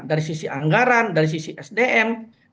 dari sisi anggaran dari sisi sdm dari sisi kementerian dari sisi daerah